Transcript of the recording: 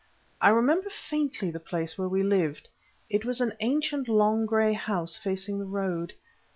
I remember faintly the place where we lived. It was an ancient long grey house, facing the road.